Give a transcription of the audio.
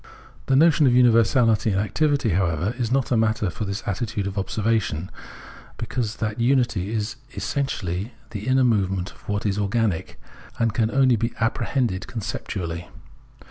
This union of universality and activity, however, is not a matter for this attitude of observation, because that unity is essentially the inner movement of what is organic, and can only be apprehended conceptually.